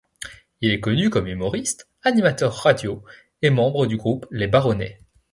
Il est connu comme humoriste, animateur de radio et membre du groupe Les Baronets.